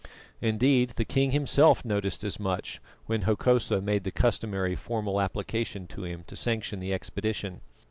Indeed, the king himself noticed as much when Hokosa made the customary formal application to him to sanction the expedition.